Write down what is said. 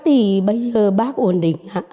thì bây giờ bác ổn định